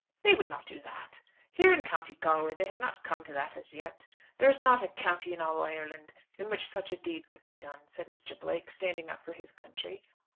"They would not do that. Here in County Galway they have not come to that as yet. There is not a county in all Ireland in which such a deed could be done," said Mr. Blake, standing up for his country.